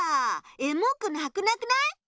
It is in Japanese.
エモくなくなくない？